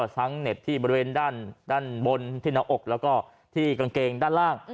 เน็ตที่บริเวณด้านบนที่หน้าอกแล้วก็ที่กางเกงด้านล่าง